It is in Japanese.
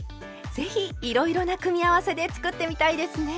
是非いろいろな組み合わせで作ってみたいですね！